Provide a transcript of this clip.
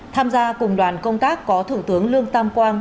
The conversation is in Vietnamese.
tham gia cùng đoàn công tác có thủ tướng lương tam quang